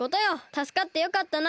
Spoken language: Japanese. たすかってよかったな。